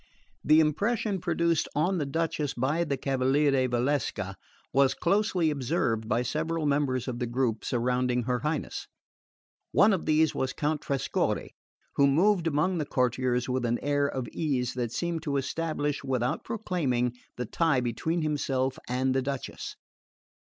The impression produced on the Duchess by the cavaliere Valsecca was closely observed by several members of the group surrounding her Highness. One of these was Count Trescorre, who moved among the courtiers with an air of ease that seemed to establish without proclaiming the tie between himself and the Duchess.